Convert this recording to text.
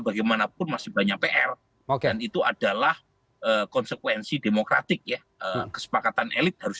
bagaimanapun masih banyak pr dan itu adalah konsekuensi demokratik ya kesepakatan elit harus